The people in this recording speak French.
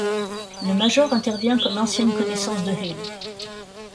Le major intervient comme ancienne connaissance de Hill.